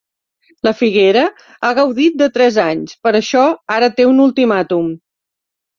La figuera ha gaudit de tres anys, per això ara té un ultimàtum.